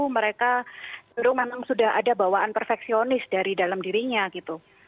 mereka dulu memang sudah ada bawaan perfeksionis dari dalam dirinya gitu